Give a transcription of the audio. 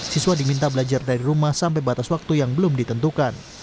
siswa diminta belajar dari rumah sampai batas waktu yang belum ditentukan